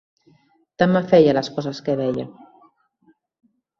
Tant me feia les coses que deia.